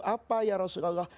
apa ya rasulullah